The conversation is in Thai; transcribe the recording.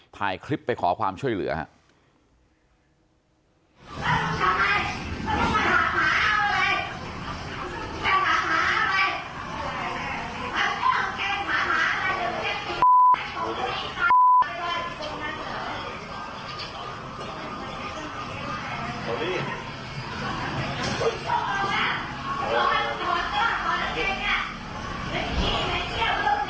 ถ่ายคลิปไปขอความช่วยเหลือครับ